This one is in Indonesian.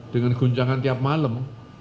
dengan guncangan tiap malam